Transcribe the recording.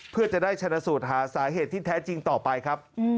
เพื่อจะได้ชนะสูตรหาสาเหตุที่แท้จริงต่อไปครับ